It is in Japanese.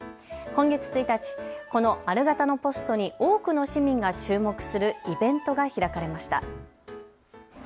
今月１日、この丸型のポストに多くの市民が注目するイベントが開かれました。